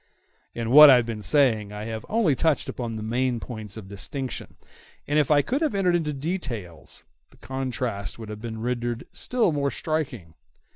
In what I have been saying I have only touched upon the main points of distinction; and if I could have entered into details, the contrast would have been rendered still more striking.